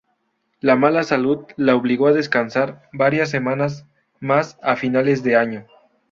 La mala salud la obligó a descansar varias semanas más a finales de año.